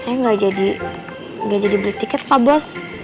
saya nggak jadi beli tiket pak bos